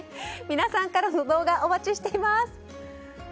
皆さんからの動画お待ちしています。